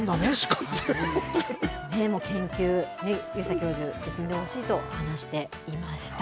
研究、遊佐教授進んでほしいと話していました。